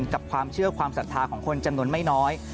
กับความเชื่อความศรัทธาของคนจำนวนไม่น้อย